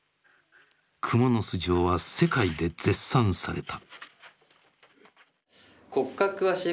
「蜘蛛巣城」は世界で絶賛された。